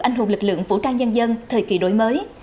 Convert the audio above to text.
anh hùng lực lượng vũ trang nhân dân thời kỳ đổi mới